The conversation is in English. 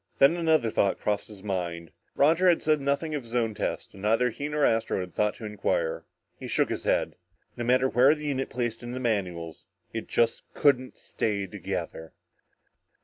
Then another thought crossed his mind. Roger had said nothing of his own test and neither he nor Astro had even inquired. He shook his head. No matter where the unit placed in the manuals, it just couldn't stay together.